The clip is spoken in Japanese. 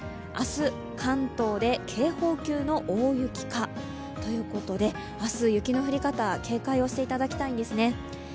明日、関東で警報級の大雪かということで、明日、雪の降り方、警戒をしていただきたいんですね。